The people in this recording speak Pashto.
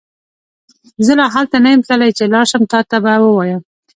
زه لا هلته نه يم تللی چې لاړشم تا ته به وويم